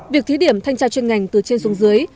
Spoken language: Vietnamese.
việc thí điểm thanh tra chuyên ngành từ trên xuống dưới